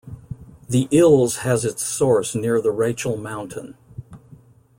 The Ilz has its source near the Rachel mountain.